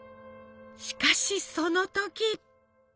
しかしその時！